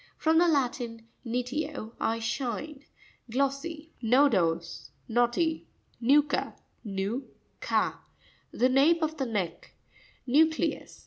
—From the Latin, niteo, I shine. Glossy. Nopo'sr.— Knotty. No'cua (nu ka).—The nape of the neck, Nvu'crevs.